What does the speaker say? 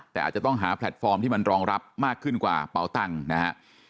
แต่อาจจะต้องหาแพลตฟอร์มที่มันรองรับมากขึ้นกว่าเป๋าตังค์นะฮะ